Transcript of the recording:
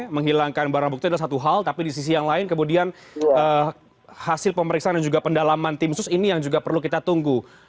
menghilangkan barang bukti adalah satu hal tapi di sisi yang lain kemudian hasil pemeriksaan dan juga pendalaman tim sus ini yang juga perlu kita tunggu